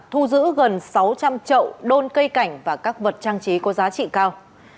thu giữ gần sáu trăm linh trậu đôn cây cảnh và các vật trang trí có giá trị cao